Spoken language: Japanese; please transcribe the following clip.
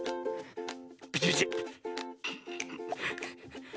ビチビチ。